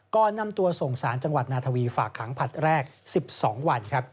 ก่อนนำตัวส่งสารจังหวัดนาทวีฝากขังผลัดแรก๑๒วันครับ